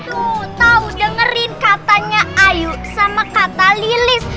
kamu tau dengerin katanya ayu sama kata lilis